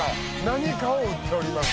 何かを打っております。